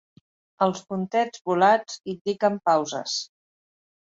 Els puntets volats indiquen pauses.